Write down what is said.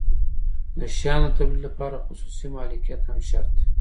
د شیانو د تولید لپاره خصوصي مالکیت هم شرط دی.